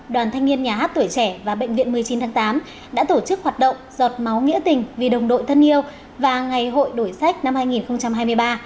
đoàn thanh niên nhà hát tuổi trẻ và bệnh viện một mươi chín tháng tám đã tổ chức hoạt động giọt máu nghĩa tình vì đồng đội thân yêu và ngày hội đổi sách năm hai nghìn hai mươi ba